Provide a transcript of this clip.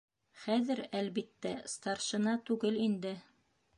Хәҙер, әлбиттә, старшина түгел инде.